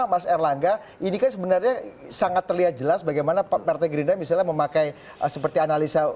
mas erlangga ini kan sebenarnya sangat terlihat jelas bagaimana partai gerindra misalnya memakai seperti analisa